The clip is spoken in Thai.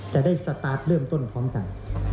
จะได้สตาร์ทเริ่มต้นพร้อมกัน